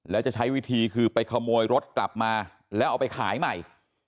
แล้วจะใช้วิธีคือไปขโมยรถกลับมาแล้วเอาไปขายใหม่